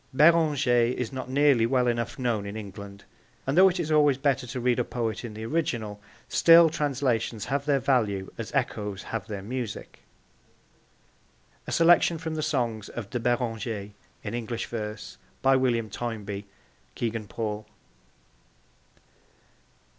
Beranger is not nearly well enough known in England, and though it is always better to read a poet in the original, still translations have their value as echoes have their music. A Selection from the Songs of De Beranger in English Verse. By William Toynbee. (Kegan Paul.)